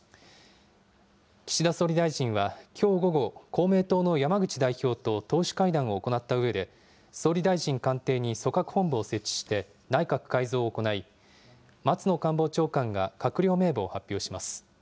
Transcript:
岸田総理大臣は、きょう午後、公明党の山口代表と党首会談を行ったうえで、総理大臣官邸に組閣本部を設置して、内閣改造を行い、松野官房長官が閣僚名簿を発表します。